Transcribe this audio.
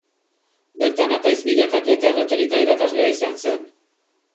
Bertan apaiz bilakatu eta erretorika irakaslea izan zen.